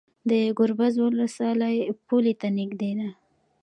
د ګربز ولسوالۍ پولې ته نږدې ده